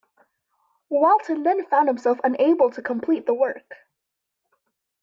Walton then found himself unable to complete the work.